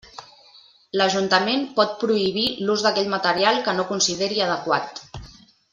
L'Ajuntament pot prohibir l'ús d'aquell material que no consideri adequat.